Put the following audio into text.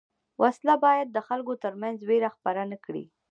وسله باید د خلکو تر منځ وېره خپره نه کړي